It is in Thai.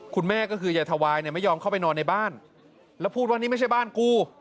คุณแม่ก็คือยายทวายเนี่ยไม่ยอมเข้าไปนอนในบ้านแล้วพูดว่านี่ไม่ใช่บ้านกู